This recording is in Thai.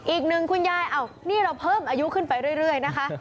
คุณยายนี่เราเพิ่มอายุขึ้นไปเรื่อยนะคะ